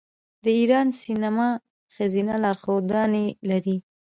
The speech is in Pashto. د ایران سینما ښځینه لارښودانې لري.